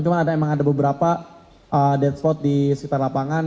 cuma emang ada beberapa dead spot di sekitar lapangan